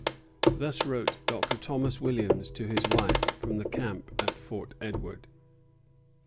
Thus wrote Dr. Thomas Williams to his wife from the camp at Fort Edward.